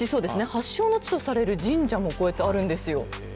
発症の地とされる神社もこうやってあるんですよ。